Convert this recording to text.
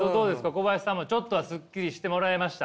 小林さんもちょっとはすっきりしてもらえました？